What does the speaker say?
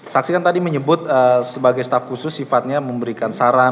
saksi kan tadi menyebut sebagai staf khusus sifatnya memberikan saran